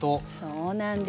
そうなんですよ。